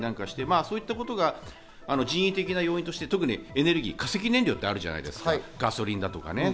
そういったことが人為的な要因としてエネルギー、化石燃料ってあるじゃないですか、ガソリンだとか。